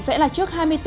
sẽ là trước hai mươi bốn h